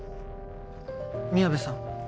宮部さん